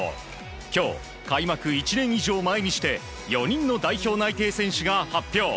今日、開幕１年以上前にして４人の代表内定選手が発表。